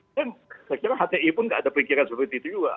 saya kira hti pun nggak ada pikiran seperti itu juga